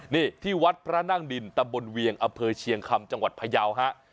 นี่ที่วัดพระนั่งดินตำบลเวียงอำเภอเชียงคำจังหวัดพยาวฮะ